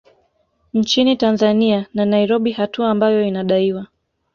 Nchini Tanzania na Nairobi hatua ambayo inadaiwa